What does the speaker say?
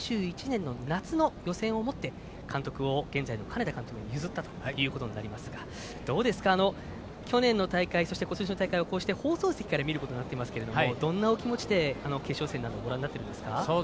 ２０２１年の夏の予選をもって監督を現在の金田監督に譲ったということになりますがどうですか去年の大会、今年の大会は放送席から見ていますがどんな気持ちで決勝戦をご覧になっていますが？